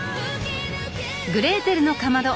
「グレーテルのかまど」